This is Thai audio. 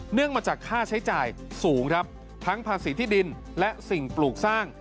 มาจากค่าใช้จ่ายสูงครับทั้งภาษีที่ดินและสิ่งปลูกสร้าง